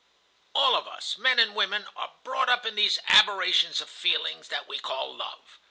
"All of us, men and women, are brought up in these aberrations of feeling that we call love.